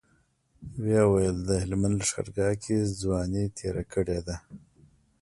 ويې ويل د هلمند لښکرګاه کې ځواني تېره کړې ده.